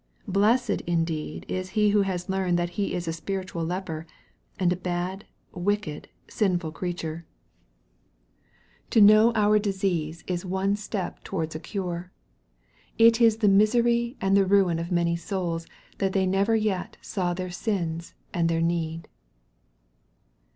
Blessed indeed is he who has learned that he is a spiritual leper, and a bad, wicked, sinful creature ! To know our disease is one step towards MARK, CHAP. 1. 23 a cure. It is the misery and the ruin of many souls tnat they never yet saw their sins and their need.